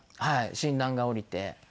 はい診断が下りて。